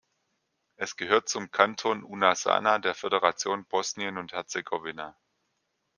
Es gehört zum Kanton Una-Sana der Föderation Bosnien und Herzegowina.